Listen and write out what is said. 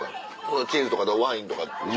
チーズとかとワインとかでしょ。